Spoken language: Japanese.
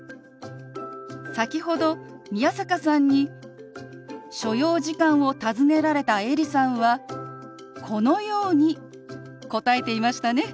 先ほど宮坂さんに所要時間を尋ねられたエリさんはこのように答えていましたね。